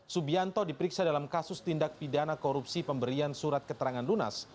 subianto diperiksa dalam kasus tindak pidana korupsi pemberian surat keterangan lunas